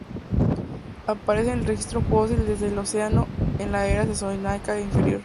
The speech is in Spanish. Aparece en el registro fósil desde el Eoceno, en la era Cenozoica inferior.